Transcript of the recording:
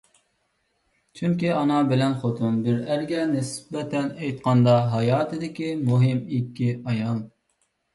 چۈنكى، ئانا بىلەن خوتۇن بىر ئەرگە نىسبەتەن ئېيتقاندا ھاياتىدىكى مۇھىم ئىككى ئايال.